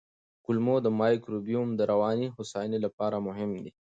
کولمو مایکروبیوم د رواني هوساینې لپاره مهم دی.